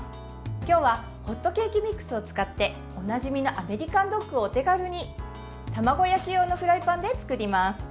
今日はホットケーキミックスを使っておなじみのアメリカンドッグをお手軽に卵焼き用のフライパンで作ります。